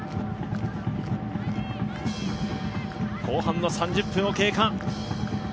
後半の３０分を経過。